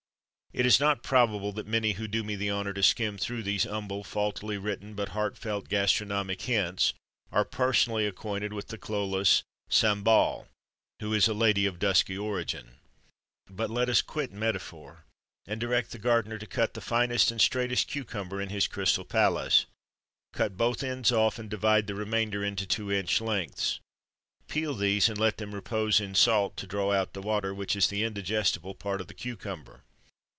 It is not probable that many who do me the honour to skim through these humble, faultily written, but heartfelt gastronomic hints are personally acquainted with the cloyless Sambal, who is a lady of dusky origin. But let us quit metaphor, and direct the gardener to Cut the finest and straightest cucumber in his crystal palace. Cut both ends off, and divide the remainder into two inch lengths. Peel these, and let them repose in salt to draw out the water, which is the indigestible part of the cucumber.